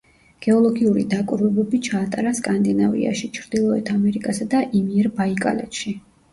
გეოლოგიური დაკვირვებები ჩაატარა სკანდინავიაში, ჩრდილოეთ ამერიკასა და იმიერბაიკალეთში.